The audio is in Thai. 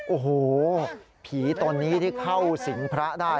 โอ้โหผีตนนี้ที่เข้าสิงพระได้